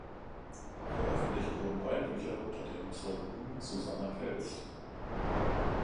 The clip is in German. Veröffentlicht wurden beide Bücher unter deren Pseudonym Susannah Kells.